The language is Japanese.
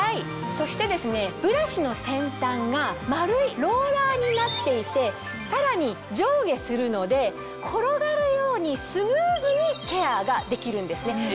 そしてブラシの先端が丸いローラーになっていてさらに上下するので転がるようにスムーズにケアができるんですね。